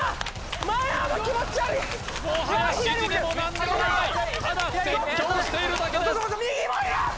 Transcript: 前や気持ち悪いもはや指示でも何でもないただ絶叫しているだけです右！